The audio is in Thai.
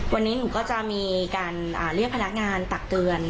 วันนี้หนูก็จะมีการเรียกพนักงานตักเตือน